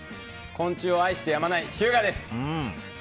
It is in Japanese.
昆虫を愛してやまないひゅうがです。